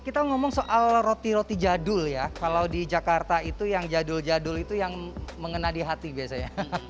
kita ngomong soal roti roti jadul ya kalau di jakarta itu yang jadul jadul itu yang mengena di hati biasanya